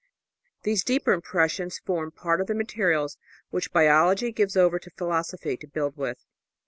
These deeper impressions form part of the materials which Biology gives over to Philosophy to build with.